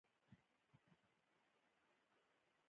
موږ باید د واقعي انتخاب ځواک زیات کړو.